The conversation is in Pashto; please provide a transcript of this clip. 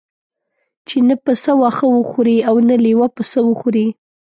چې نه پسه واښه وخوري او نه لېوه پسه وخوري.